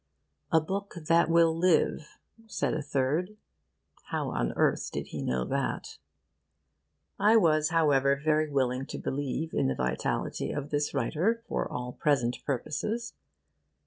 'A book that will live,' said a third. How on earth did he know that? I was, however, very willing to believe in the vitality of this writer for all present purposes.